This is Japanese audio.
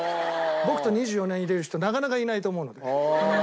僕と２４年いられる人なかなかいないと思うので。